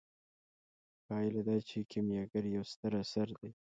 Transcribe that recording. پایله دا چې کیمیاګر یو ستر اثر دی.